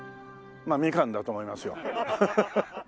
まあみかんだと思いますよ。